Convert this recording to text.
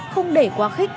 không để quá khích